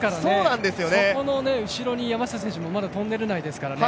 そこの後ろに山下選手もトンネル内ですからね